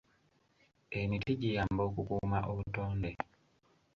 Emiti giyamba okukuuma obutonde.